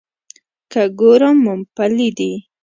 که ګورم مومپلي دي.